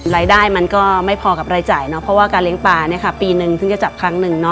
รายได้มันก็ไม่พอกับรายจ่ายเพราะว่าการเลี้ยงปลาปีหนึ่งถึงจะจับครั้งหนึ่ง